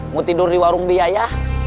mau tidur di warung biaya